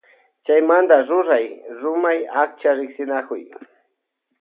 Chaymanta ruray rumay achka riksinakuy.